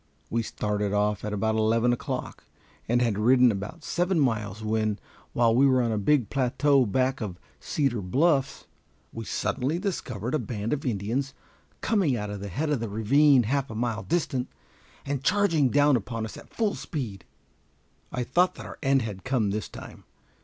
We started off at about eleven o'clock, and had ridden about seven miles, when, while we were on a big plateau back of Cedar Bluffs, we suddenly discovered a band of Indians coming out of the head of the ravine half a mile distant, and charging down upon us at full speed. I thought that our end had come this time.